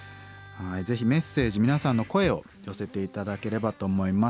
ぜひメッセージ皆さんの声を寄せて頂ければと思います。